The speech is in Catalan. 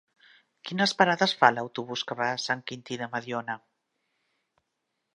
Quines parades fa l'autobús que va a Sant Quintí de Mediona?